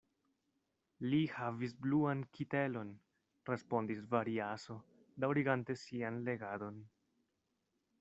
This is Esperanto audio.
Li havis bluan kitelon, respondis Variaso, daŭrigante sian legadon.